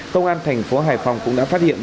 công an thành phố hải phòng cũng đã phát hiện